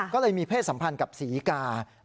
ก็เลยมีเพศสัมพันธ์กับศรีกา